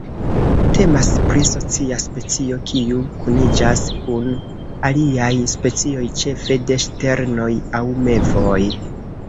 Temas pri socia specio kiu kuniĝas kun aliaj specioj ĉefe de ŝternoj aŭ mevoj.